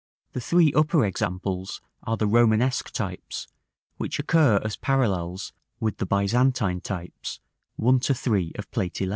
The three upper examples are the Romanesque types, which occur as parallels with the Byzantine types, 1 to 3 of Plate XI.